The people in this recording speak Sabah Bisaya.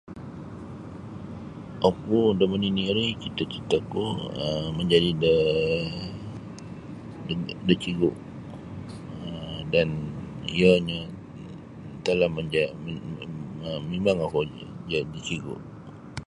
Oku da manini' ri cita-citaku um menjadi da cigu um dan iyo nyo telah menja um mimang oku jadi cigu